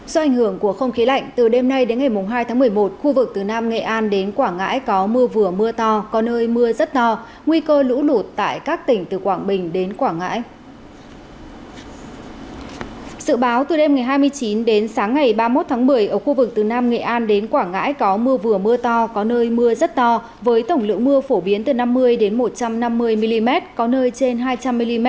sự báo từ đêm ngày hai mươi chín đến sáng ngày ba mươi một tháng một mươi ở khu vực từ nam nghệ an đến quảng ngãi có mưa vừa mưa to có nơi mưa rất to với tổng lượng mưa phổ biến từ năm mươi đến một trăm năm mươi mm có nơi trên hai trăm linh mm